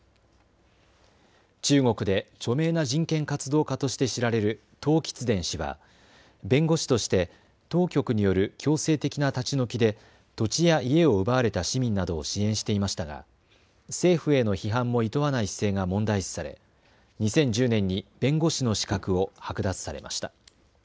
中国で著名な人権活動家として知られる唐吉田氏は弁護士として当局による強制的な立ち退きで土地や家を奪われた市民などを支援していましたが政府への批判もいとわない姿勢が問題視され２０１０年に弁護士の資格を剥奪されました。